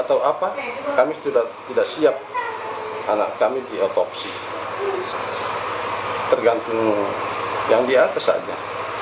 tergantung yang dia kesatnya